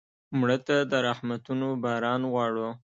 مړه ته د رحمتونو باران غواړو